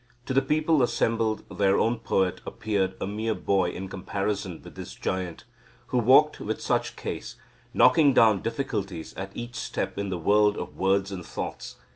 To the people assembled their own poet appeared a mere boy in comparison with this giant, who walked with such case, knocking down difficulties at each step in the world of words and thoughts.